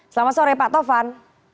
selamat sore pak tovan